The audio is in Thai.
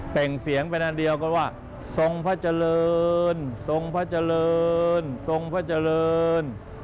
แต่งเสียงเป็นอันเดียวกันว่าทรงพระเจริญทรงพระเจริญทรงพระเจริญ